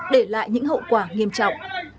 để lại những hậu quả nghiêm trọng